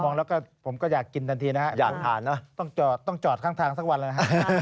มองแล้วผมก็อยากกินทันทีนะครับอยากทานนะต้องจอดข้างทางสักวันแล้วนะครับ